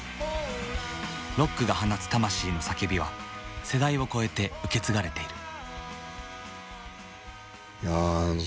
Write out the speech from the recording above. ロックが放つ魂の叫びは世代を超えて受け継がれている。